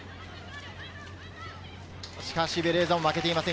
しかしベレーザも負けていません。